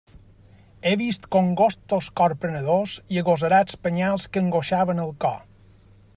He vist congostos corprenedors i agosarats penyals que angoixaven el cor.